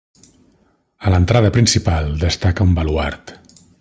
A l'entrada principal destaca un baluard.